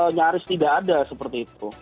nyaris tidak ada seperti itu